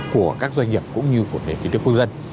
của các doanh nghiệp cũng như của nền kinh tế quốc dân